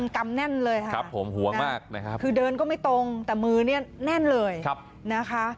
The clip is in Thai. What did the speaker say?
กำแน่นเลยค่ะครับผมห่วงมากนะครับคือเดินก็ไม่ตรงแต่มือเนี่ยแน่นเลยนะคะ